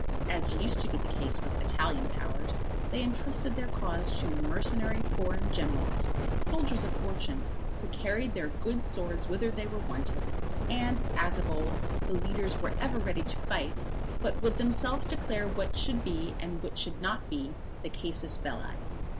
As used to be the case with Italian Powers, they entrusted their cause to mercenary foreign generals, soldiers of fortune, who carried their good swords whither they were wanted; and, as of old, the leaders were ever ready to fight, but would themselves declare what should be and what should not be the casus belli.